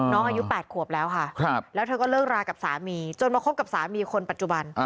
อายุ๘ขวบแล้วค่ะแล้วเธอก็เลิกรากับสามีจนมาคบกับสามีคนปัจจุบัน